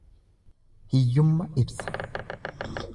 Hiyyumma ibsa.